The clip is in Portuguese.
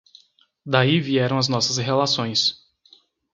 daí vieram as nossas relações.